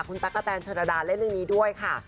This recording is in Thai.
คุณตั๊กกะแตนชนระดาเล่นเรื่องนี้ด้วยค่ะ